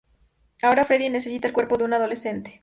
Ahora Freddy necesita el cuerpo de un adolescente.